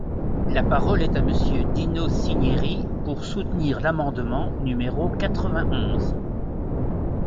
La parole est à Monsieur Dino Cinieri, pour soutenir l’amendement numéro quatre-vingt-onze.